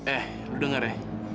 eh lo denger ya